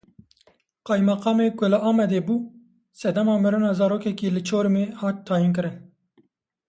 Qeymeqamê ku li Amedê bû sedema mirina zarokekî li Çorumê hat tayinkirin.